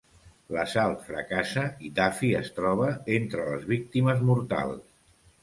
L'assalt fracassa i Duffy es troba entre les víctimes mortals.